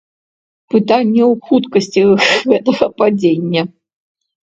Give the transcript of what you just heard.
Пытанне ў хуткасці гэтага падзення.